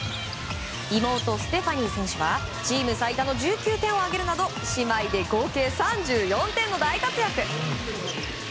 妹ステファニー選手はチーム最多の１９点を挙げるなど姉妹で合計３４点の大活躍！